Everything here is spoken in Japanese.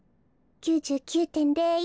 ９９．０１。